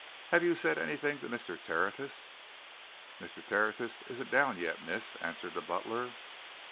Have you said anything to Mr. Tertius?" "Mr. Tertius isn't down yet, miss," answered the butler.